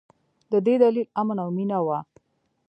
د دې دلیل امن او مینه وه.